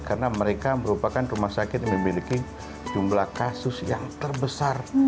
karena mereka merupakan rumah sakit yang memiliki jumlah kasus yang terbesar